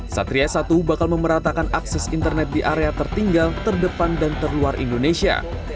satria satu bakal memeratakan akses internet di area tertinggal terdepan dan terluar indonesia